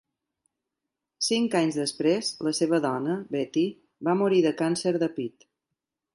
Cinc anys després, la seva dona, Betty, va morir de càncer de pit.